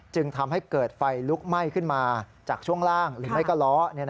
จึงทำให้เกิดไฟลุกไหม้ขึ้นมาจากช่วงล่างหรือไม่ก็ล้อ